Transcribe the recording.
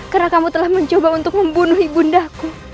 karena kamu telah mencoba untuk membunuh ibu undaku